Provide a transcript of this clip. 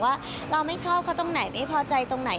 ว่าเราไม่ชอบเขาตรงไหนไม่พอใจตรงไหน